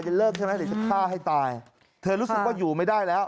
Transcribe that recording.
เลิกใช่ไหมเดี๋ยวจะฆ่าให้ตายเธอรู้สึกว่าอยู่ไม่ได้แล้ว